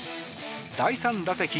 第３打席。